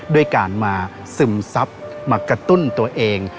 ด้วยการมาซึมซับมากระตุ้นตัวเอง